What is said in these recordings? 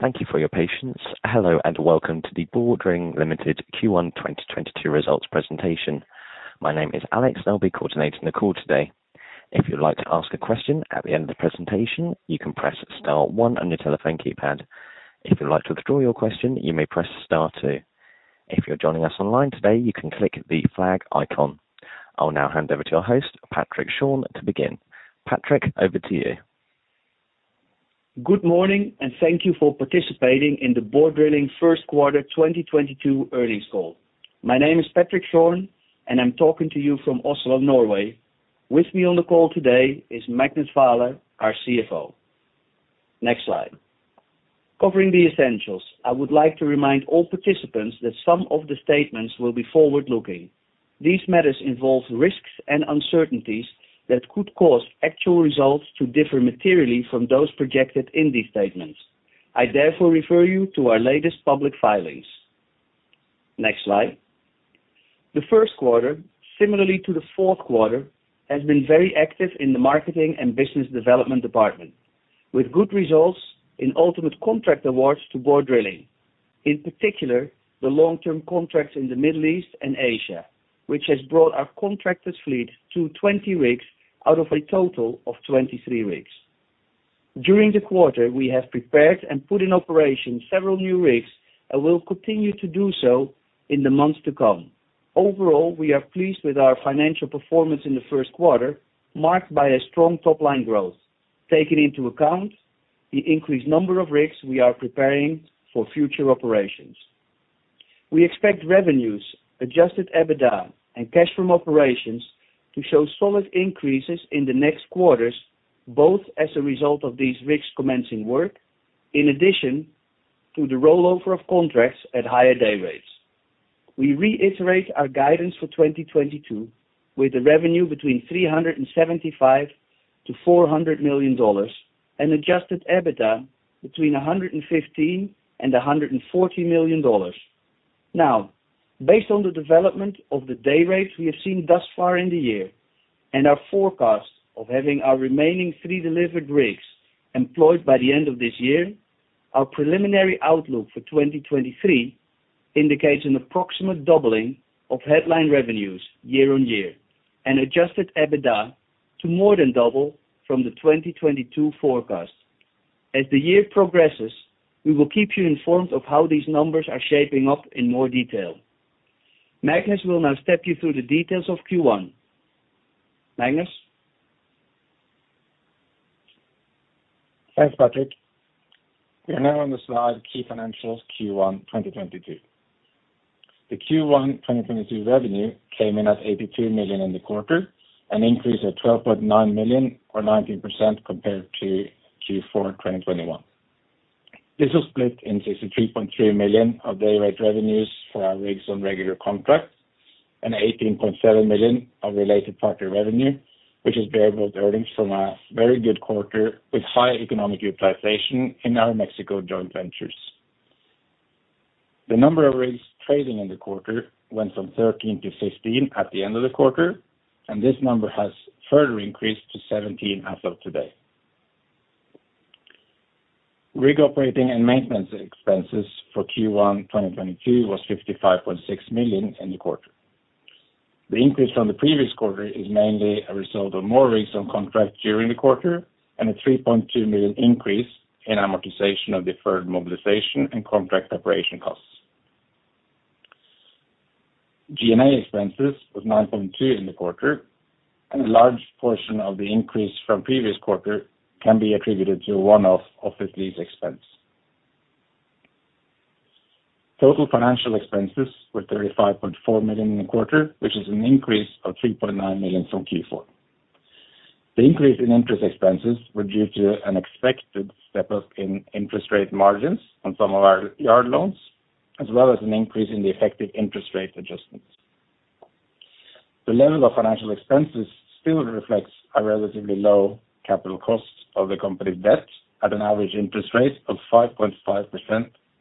Thank you for your patience. Hello, and welcome to the Borr Drilling Limited Q1 2022 results presentation. My name is Alex, and I'll be coordinating the call today. If you'd like to ask a question at the end of the presentation, you can press star one on your telephone keypad. If you'd like to withdraw your question, you may press star two. If you're joining us online today, you can click the flag icon. I'll now hand over to our host, Patrick Schorn, to begin. Patrick, over to you. Good morning, and thank you for participating in the Borr Drilling first quarter 2022 earnings call. My name is Patrick Schorn, and I'm talking to you from Oslo, Norway. With me on the call today is Magnus Vaaler, our CFO. Next slide. Covering the essentials, I would like to remind all participants that some of the statements will be forward-looking. These matters involve risks and uncertainties that could cause actual results to differ materially from those projected in these statements. I therefore refer you to our latest public filings. Next slide. The first quarter, similarly to the fourth quarter, has been very active in the marketing and business development department, with good results in ultimate contract awards to Borr Drilling. In particular, the long-term contracts in the Middle East and Asia, which has brought our contracted fleet to 20 rigs out of a total of 23 rigs. During the quarter, we have prepared and put in operation several new rigs and will continue to do so in the months to come. Overall, we are pleased with our financial performance in the first quarter, marked by a strong top-line growth, taking into account the increased number of rigs we are preparing for future operations. We expect revenues, adjusted EBITDA, and cash from operations to show solid increases in the next quarters, both as a result of these rigs commencing work, in addition to the rollover of contracts at higher day rates. We reiterate our guidance for 2022, with the revenue between $375 million and $400 million, and adjusted EBITDA between $115 million and $140 million. Now, based on the development of the day rates we have seen thus far in the year and our forecast of having our remaining three delivered rigs employed by the end of this year, our preliminary outlook for 2023 indicates an approximate doubling of headline revenues year-over-year, and adjusted EBITDA to more than double from the 2022 forecast. As the year progresses, we will keep you informed of how these numbers are shaping up in more detail. Magnus will now step you through the details of Q1. Magnus? Thanks, Patrick. We are now on the slide, key financials Q1 2022. The Q1 2022 revenue came in at $82 million in the quarter, an increase of $12.9 million or 19% compared to Q4 2021. This was split into $63.3 million of day rate revenues for our rigs on regular contracts and $18.7 million of related party revenue, which is variable earnings from a very good quarter with high economic utilization in our Mexico joint ventures. The number of rigs trading in the quarter went from 13 to 15 at the end of the quarter, and this number has further increased to 17 as of today. Rig operating and maintenance expenses for Q1 2022 was $55.6 million in the quarter. The increase from the previous quarter is mainly a result of more rigs on contract during the quarter and a $3.2 million increase in amortization of deferred mobilization and contract operation costs. G&A expenses was $9.2 million in the quarter, and a large portion of the increase from previous quarter can be attributed to a one-off office lease expense. Total financial expenses were $35.4 million in the quarter, which is an increase of $3.9 million from Q4. The increase in interest expenses were due to an expected step up in interest rate margins on some of our yard loans, as well as an increase in the effective interest rate adjustments. The level of financial expenses still reflects a relatively low capital cost of the company's debt at an average interest rate of 5.5%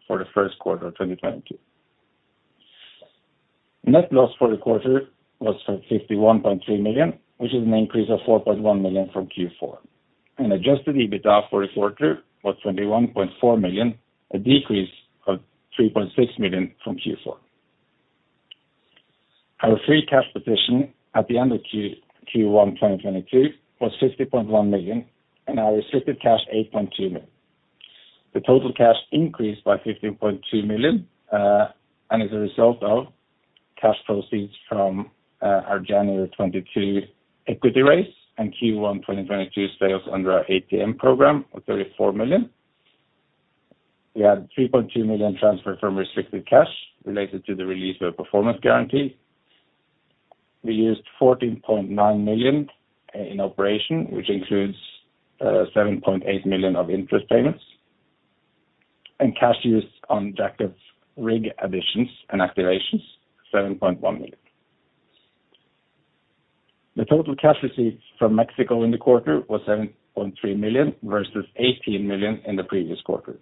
for the first quarter of 2022. Net loss for the quarter was $51.3 million, which is an increase of $4.1 million from Q4. Adjusted EBITDA for the quarter was $21.4 million, a decrease of $3.6 million from Q4. Our free cash position at the end of Q1 2022 was $50.1 million, and our restricted cash, $8.2 million. The total cash increased by $15.2 million, and as a result of cash proceeds from our January 2022 equity raise and Q1 2022 sales under our ATM program of $34 million. We had $3.2 million transferred from restricted cash related to the release of a performance guarantee. We used $14.9 million in operations, which includes $7.8 million of interest payments. Cash used on jack-up rig additions and activations, $7.1 million. The total cash received from Mexico in the quarter was $7.3 million versus $18 million in the previous quarter.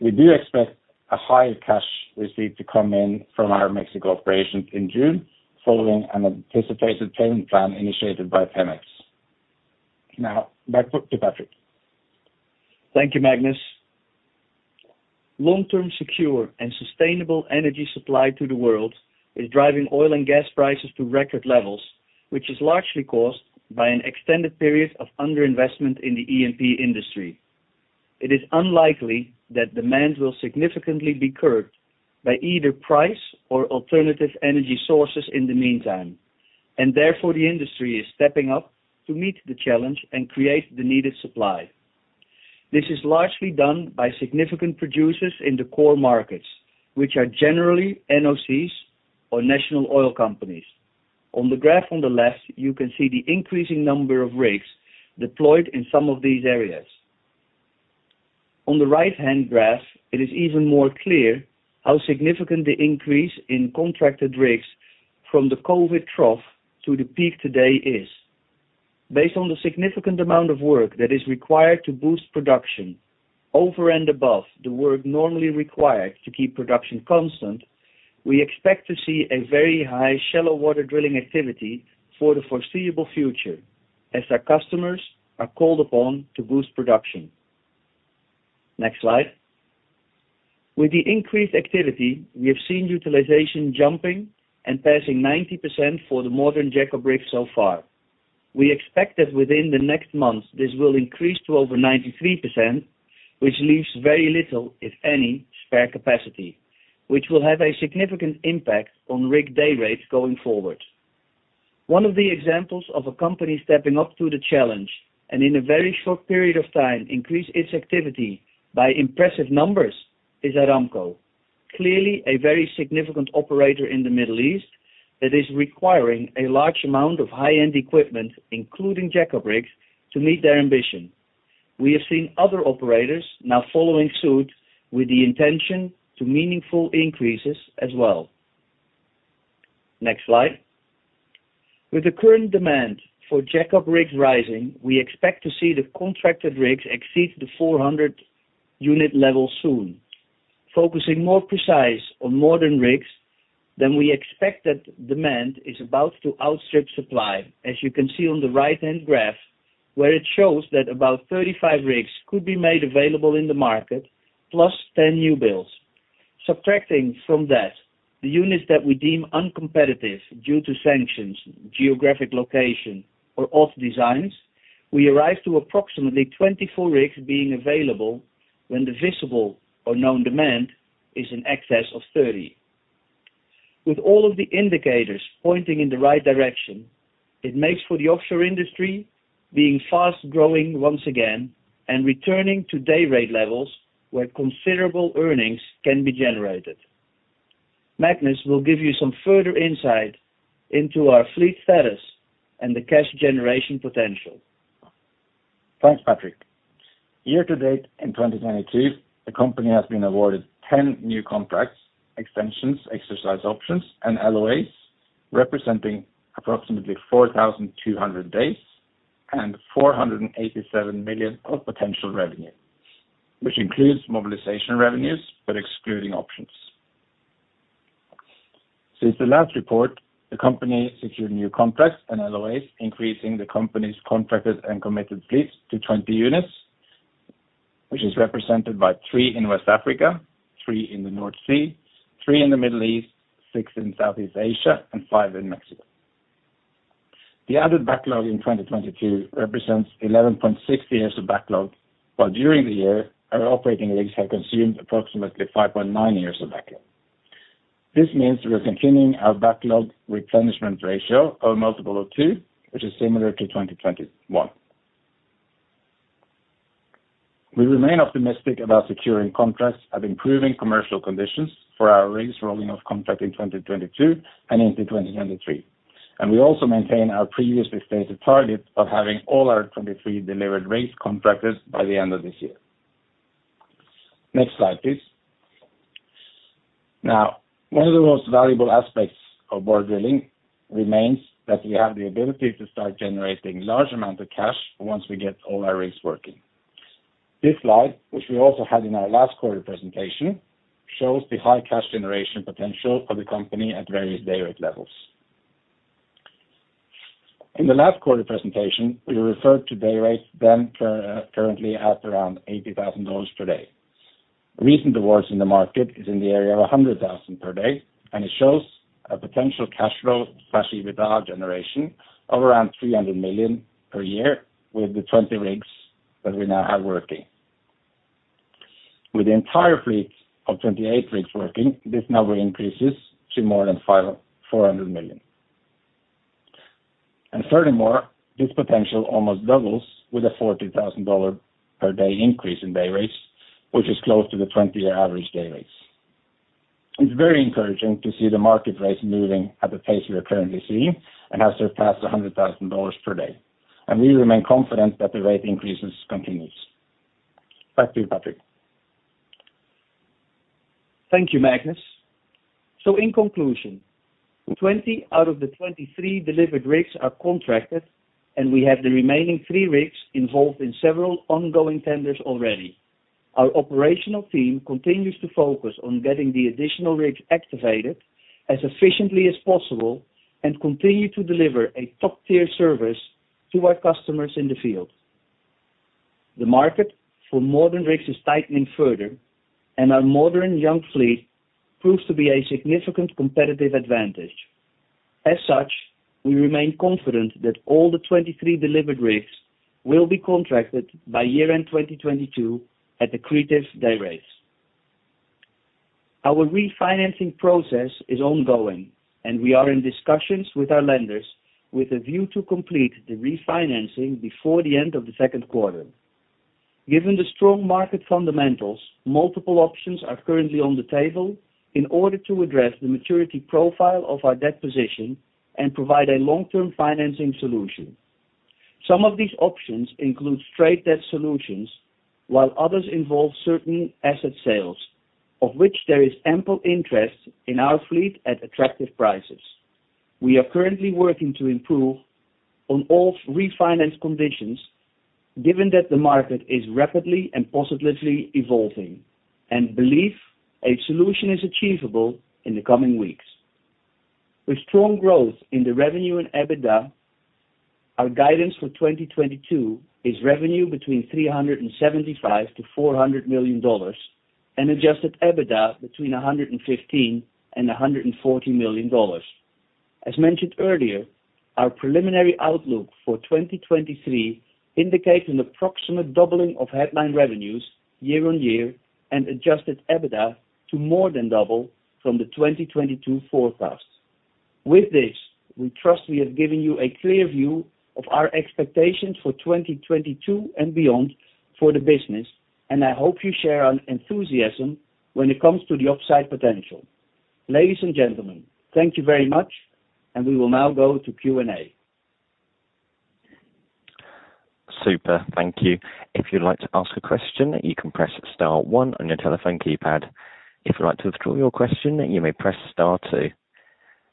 We do expect a higher cash receipt to come in from our Mexico operations in June, following an anticipated payment plan initiated by Pemex. Now back to Patrick. Thank you, Magnus. Long-term secure and sustainable energy supply to the world is driving oil and gas prices to record levels, which is largely caused by an extended period of under-investment in the E&P industry. It is unlikely that demand will significantly be curbed by either price or alternative energy sources in the meantime, and therefore, the industry is stepping up to meet the challenge and create the needed supply. This is largely done by significant producers in the core markets, which are generally NOCs or national oil companies. On the graph on the left, you can see the increasing number of rigs deployed in some of these areas. On the right-hand graph, it is even more clear how significant the increase in contracted rigs from the COVID trough to the peak today is. Based on the significant amount of work that is required to boost production over and above the work normally required to keep production constant, we expect to see a very high shallow water drilling activity for the foreseeable future, as our customers are called upon to boost production. Next slide. With the increased activity, we have seen utilization jumping and passing 90% for the modern jack-up rig so far. We expect that within the next month, this will increase to over 93%, which leaves very little, if any, spare capacity, which will have a significant impact on rig day rates going forward. One of the examples of a company stepping up to the challenge, and in a very short period of time, increase its activity by impressive numbers is Aramco. Clearly a very significant operator in the Middle East that is requiring a large amount of high-end equipment, including jack-up rigs, to meet their ambition. We have seen other operators now following suit with the intention of meaningful increases as well. Next slide. With the current demand for jack-up rigs rising, we expect to see the contracted rigs exceed the 400-unit level soon. Focusing more precisely on modern rigs, we expect that demand is about to outstrip supply, as you can see on the right-hand graph, where it shows that about 35 rigs could be made available in the market, plus 10 new builds. Subtracting from that the units that we deem uncompetitive due to sanctions, geographic location or old designs, we arrive at approximately 24 rigs being available when the visible or known demand is in excess of 30. With all of the indicators pointing in the right direction, it makes for the offshore industry being fast-growing once again and returning to day rate levels where considerable earnings can be generated. Magnus will give you some further insight into our fleet status and the cash generation potential. Thanks, Patrick. Year to date in 2022, the company has been awarded 10 new contracts, extensions, exercise options, and LOAs, representing approximately 4,200 days and $487 million of potential revenue, which includes mobilization revenues, but excluding options. Since the last report, the company secured new contracts and LOAs, increasing the company's contracted and committed fleets to 20 units, which is represented by three in West Africa, three in the North Sea, three in the Middle East, six in Southeast Asia, and five in Mexico. The added backlog in 2022 represents 11.6 years of backlog, while during the year, our operating rigs have consumed approximately 5.9 years of backlog. This means we are continuing our backlog replenishment ratio of 2x, which is similar to 2021. We remain optimistic about securing contracts and improving commercial conditions for our rigs rolling off contract in 2022 and into 2023, and we also maintain our previously stated target of having all our 2023 delivered rigs contracted by the end of this year. Next slide, please. Now, one of the most valuable aspects of Borr Drilling remains that we have the ability to start generating large amount of cash once we get all our rigs working. This slide, which we also had in our last quarter presentation, shows the high cash generation potential for the company at various day rates levels. In the last quarter presentation, we referred to day rates then currently at around $80,000 per day. Recent awards in the market are in the area of $100,000 per day, and it shows a potential cash flow, especially with our generation, of around $300 million per year with the 20 rigs that we now have working. With the entire fleet of 28 rigs working, this number increases to more than $400 million. Furthermore, this potential almost doubles with a $40,000 per day increase in day rates, which is close to the 20-year average day rates. It's very encouraging to see the market rates moving at the pace we are currently seeing and has surpassed $100,000 per day. We remain confident that the rate increases continues. Back to you, Patrick. Thank you, Magnus. In conclusion, 20 out of the 23 delivered rigs are contracted, and we have the remaining three rigs involved in several ongoing tenders already. Our operational team continues to focus on getting the additional rigs activated as efficiently as possible and continue to deliver a top-tier service to our customers in the field. The market for modern rigs is tightening further, and our modern young fleet proves to be a significant competitive advantage. As such, we remain confident that all the 23 delivered rigs will be contracted by year end 2022 at the attractive day rates. Our refinancing process is ongoing, and we are in discussions with our lenders with a view to complete the refinancing before the end of the second quarter. Given the strong market fundamentals, multiple options are currently on the table in order to address the maturity profile of our debt position and provide a long-term financing solution. Some of these options include straight debt solutions, while others involve certain asset sales, of which there is ample interest in our fleet at attractive prices. We are currently working to improve on all refinance conditions, given that the market is rapidly and positively evolving, and believe a solution is achievable in the coming weeks. With strong growth in the revenue and EBITDA, our guidance for 2022 is revenue between $375 million-$400 million and adjusted EBITDA between $115 million and $140 million. As mentioned earlier, our preliminary outlook for 2023 indicates an approximate doubling of headline revenues year-on-year and adjusted EBITDA to more than double from the 2022 forecast. With this, we trust we have given you a clear view of our expectations for 2022 and beyond for the business, and I hope you share our enthusiasm when it comes to the upside potential. Ladies and gentlemen, thank you very much, and we will now go to Q&A. Super. Thank you. If you'd like to ask a question, you can press star one on your telephone keypad. If you'd like to withdraw your question, you may press star two.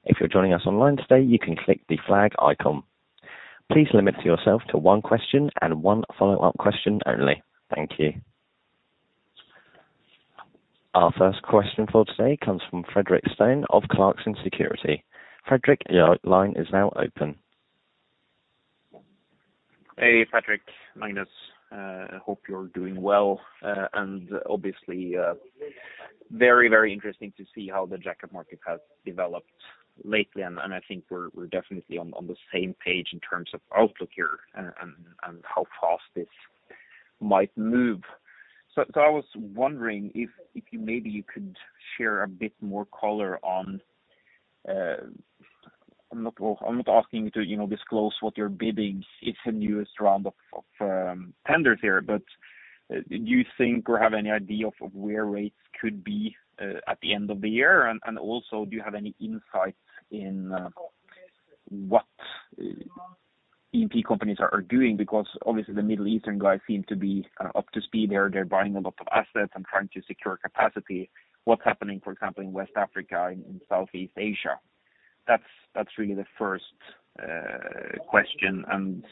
If you're joining us online today, you can click the flag icon. Please limit yourself to one question and one follow-up question only. Thank you. Our first question for today comes from Frederik Stene of Clarksons Securities. Frederik, your line is now open. Hey, Frederik, Magnus. Hope you're doing well. Obviously, very interesting to see how the jack-up market has developed lately. I think we're definitely on the same page in terms of outlook here and how fast this might move. I was wondering if you maybe could share a bit more color on, I'm not asking you to, you know, disclose what your bidding is the newest round of tenders here. Do you think or have any idea of where rates could be at the end of the year? Also do you have any insight in what E&P companies are doing? Obviously the Middle Eastern guys seem to be up to speed there. They're buying a lot of assets and trying to secure capacity. What's happening, for example, in West Africa, in Southeast Asia? That's really the first question. I'm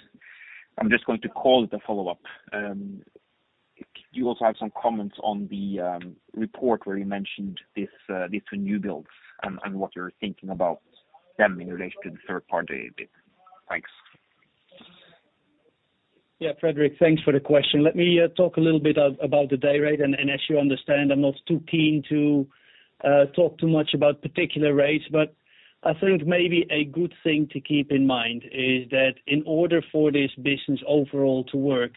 just going to call it a follow-up. Do you also have some comments on the report where you mentioned these two new builds and what you're thinking about them in relation to the third-party bid? Thanks. Yeah. Frederik, thanks for the question. Let me talk a little bit about the day rate, and as you understand, I'm not too keen to talk too much about particular rates. I think maybe a good thing to keep in mind is that in order for this business overall to work,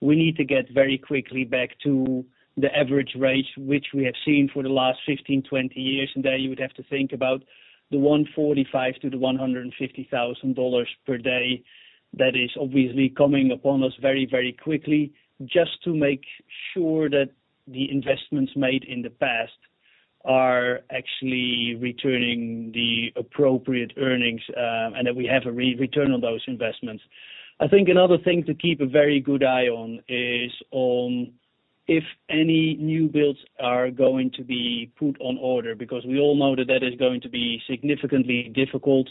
we need to get very quickly back to the average rates, which we have seen for the last 15, 20 years. There you would have to think about the $145,000-$150,000 per day that is obviously coming upon us very, very quickly just to make sure that the investments made in the past are actually returning the appropriate earnings, and that we have a return on those investments. I think another thing to keep a very good eye on is on if any new builds are going to be put on order, because we all know that is going to be significantly difficult,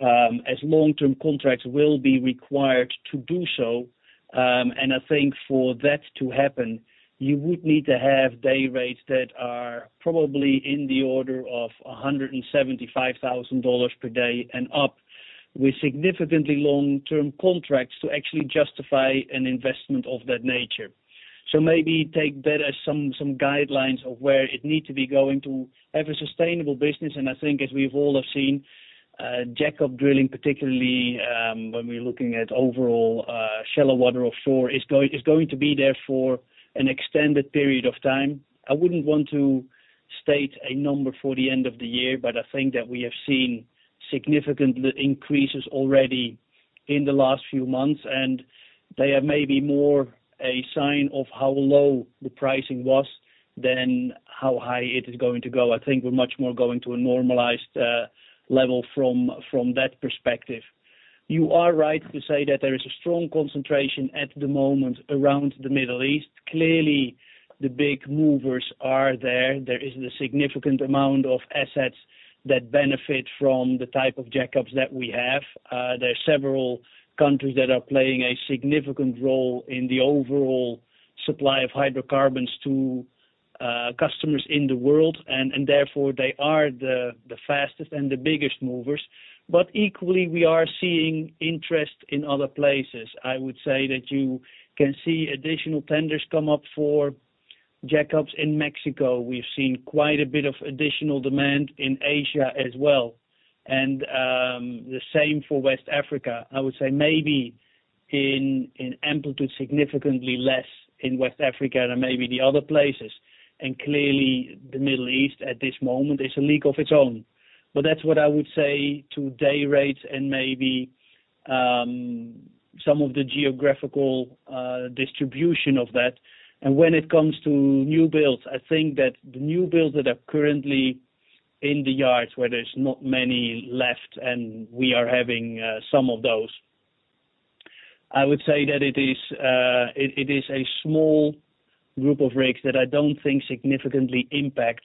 as long-term contracts will be required to do so. I think for that to happen, you would need to have day rates that are probably in the order of $175,000 per day and up with significantly long term contracts to actually justify an investment of that nature. Maybe take that as some guidelines of where it needs to be going to have a sustainable business. I think as we've all have seen, jack-up drilling, particularly, when we're looking at overall, shallow water offshore, is going to be there for an extended period of time. I wouldn't want to state a number for the end of the year, but I think that we have seen significant increases already in the last few months, and they are maybe more a sign of how low the pricing was than how high it is going to go. I think we're much more going to a normalized level from that perspective. You are right to say that there is a strong concentration at the moment around the Middle East. Clearly, the big movers are there. There is the significant amount of assets that benefit from the type of jackups that we have. There are several countries that are playing a significant role in the overall supply of hydrocarbons to customers in the world, and therefore, they are the fastest and the biggest movers. Equally, we are seeing interest in other places. I would say that you can see additional tenders come up for jackups in Mexico. We've seen quite a bit of additional demand in Asia as well, and the same for West Africa. I would say maybe in amplitude, significantly less in West Africa than maybe the other places. Clearly, the Middle East at this moment is a league of its own. That's what I would say to day rates and maybe some of the geographical distribution of that. When it comes to new builds, I think that the new builds that are currently in the yards where there's not many left, and we are having some of those, I would say that it is a small group of rigs that I don't think significantly impacts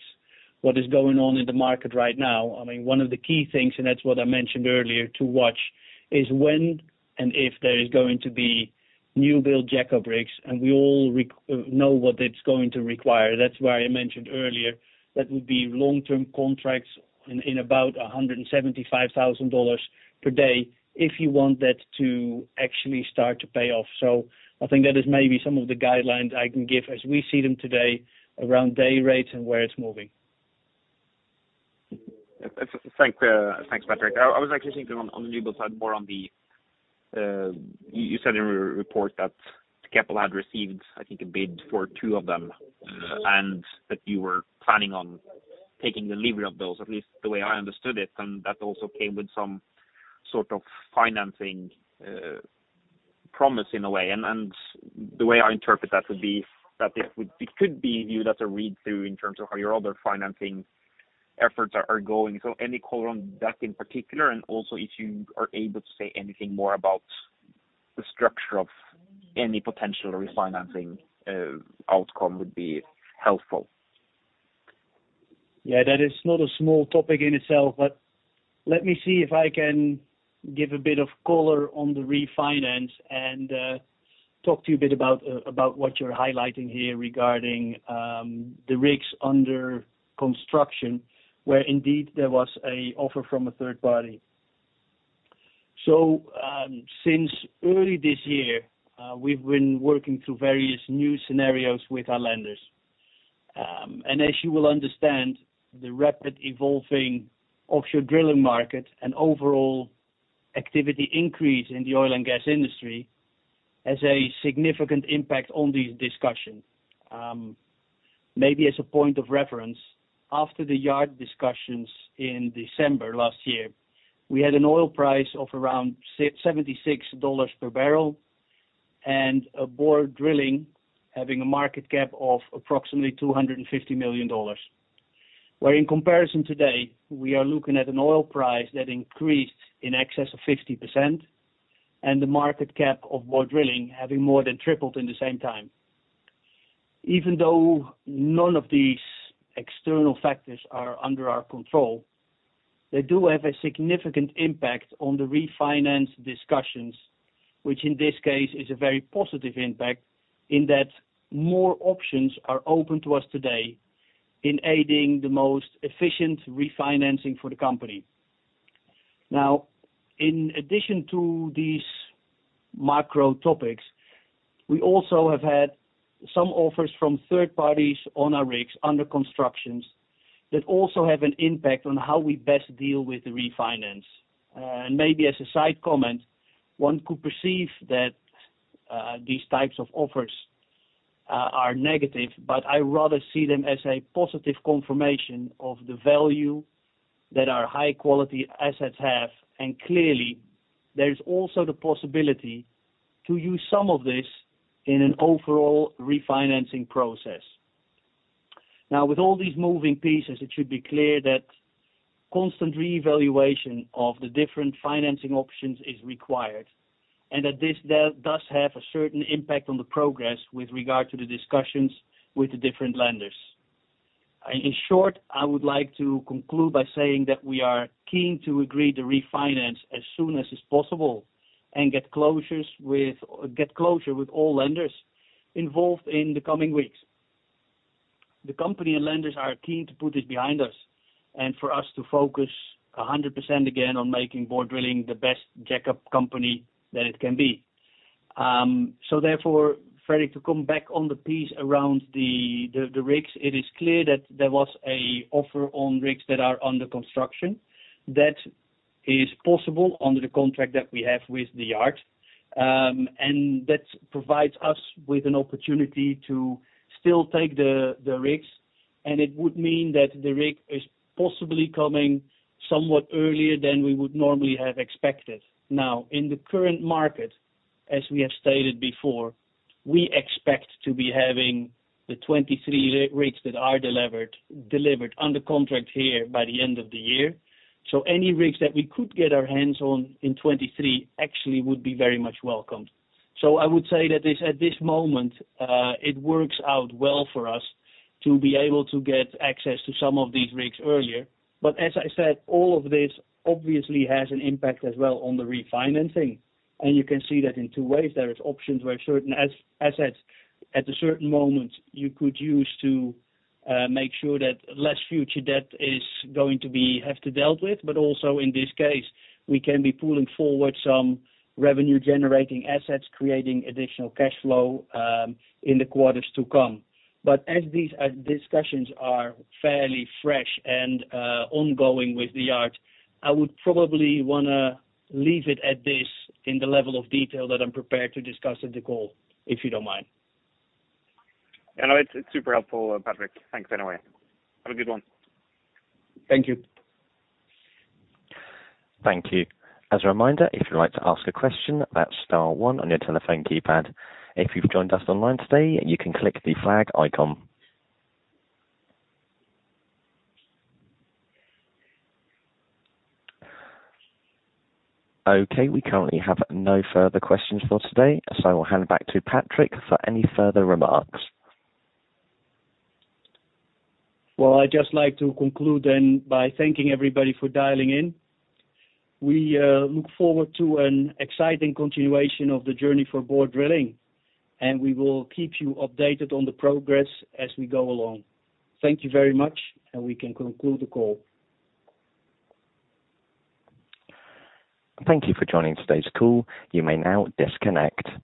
what is going on in the market right now. I mean, one of the key things, and that's what I mentioned earlier, to watch is when and if there is going to be new build jack-up rigs, and we all know what it's going to require. That's why I mentioned earlier that would be long-term contracts in about $175,000 per day if you want that to actually start to pay off. I think that is maybe some of the guidelines I can give as we see them today around day rates and where it's moving. Thanks, Patrick. I was actually thinking on the new build side, more on the, you said in your report that Keppel had received, I think, a bid for two of them and that you were planning on taking delivery of those, at least the way I understood it, and that also came with some sort of financing, promise in a way. The way I interpret that would be that it could be viewed as a read-through in terms of how your other financing efforts are going. Any color on that in particular, and also if you are able to say anything more about the structure of any potential refinancing, outcome would be helpful. Yeah. That is not a small topic in itself, but let me see if I can give a bit of color on the refinance and talk to you a bit about what you're highlighting here regarding the rigs under construction, where indeed there was an offer from a third party. Since early this year, we've been working through various new scenarios with our lenders. As you will understand, the rapid evolving offshore drilling market and overall activity increase in the oil and gas industry has a significant impact on these discussions. Maybe as a point of reference, after the yard discussions in December last year, we had an oil price of around $76 per barrel and Borr Drilling having a market cap of approximately $250 million. Whereas in comparison today, we are looking at an oil price that increased in excess of 50% and the market cap of Borr Drilling having more than tripled in the same time. Even though none of these external factors are under our control, they do have a significant impact on the refinance discussions, which in this case is a very positive impact in that more options are open to us today in aiding the most efficient refinancing for the company. Now, in addition to these macro topics, we also have had some offers from third parties on our rigs under construction that also have an impact on how we best deal with the refinance. Maybe as a side comment, one could perceive that these types of offers are negative, but I rather see them as a positive confirmation of the value that our high-quality assets have, and clearly, there is also the possibility to use some of this in an overall refinancing process. Now, with all these moving pieces, it should be clear that constant reevaluation of the different financing options is required and that this does have a certain impact on the progress with regard to the discussions with the different lenders. In short, I would like to conclude by saying that we are keen to agree to refinance as soon as is possible and get closure with all lenders involved in the coming weeks. The company and lenders are keen to put this behind us and for us to focus 100% again on making Borr Drilling the best jack-up company that it can be. Therefore, Frederik, to come back on the piece around the rigs, it is clear that there was an offer on rigs that are under construction. That is possible under the contract that we have with the yard, and that provides us with an opportunity to still take the rigs, and it would mean that the rig is possibly coming somewhat earlier than we would normally have expected. Now, in the current market, as we have stated before. We expect to be having the 23 rigs that are delivered under contract here by the end of the year. Any rigs that we could get our hands on in 2023, actually would be very much welcomed. I would say that this, at this moment, it works out well for us to be able to get access to some of these rigs earlier. As I said, all of this obviously has an impact as well on the refinancing. You can see that in two ways. There is options where certain assets at a certain moment you could use to, make sure that less future debt is going to have to be dealt with, but also in this case, we can be pulling forward some revenue generating assets, creating additional cash flow, in the quarters to come. As these discussions are fairly fresh and ongoing with the yard, I would probably wanna leave it at this in the level of detail that I'm prepared to discuss at the call, if you don't mind. No, it's super helpful, Patrick. Thanks anyway. Have a good one. Thank you. Thank you. As a reminder, if you'd like to ask a question, that's star one on your telephone keypad. If you've joined us online today, you can click the flag icon. Okay. We currently have no further questions for today, so I'll hand it back to Patrick for any further remarks. Well, I'd just like to conclude then by thanking everybody for dialing in. We look forward to an exciting continuation of the journey for Borr Drilling, and we will keep you updated on the progress as we go along. Thank you very much, and we can conclude the call. Thank you for joining today's call. You may now disconnect.